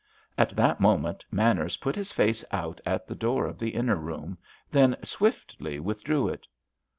At that moment Manners put his face out at the door of the inner room; then swiftly withdrew it.